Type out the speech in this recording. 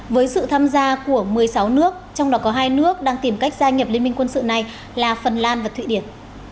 với sự tham gia của một mươi sáu nước trong đó có hai nước đang tìm cách gia nhập liên minh quân sự này là phần lan và thụy điển